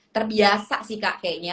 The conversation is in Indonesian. terbiasa sih kak kayaknya